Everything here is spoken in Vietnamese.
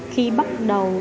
khi bắt đầu